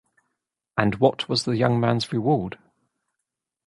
And what was the young man’s reward?